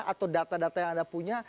atau data data yang anda punya